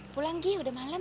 pulang gi udah malem